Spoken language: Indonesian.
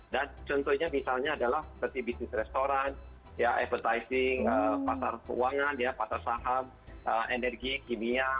dan contohnya misalnya adalah seperti bisnis restoran ya advertising pasar keuangan ya pasar saham energi kimia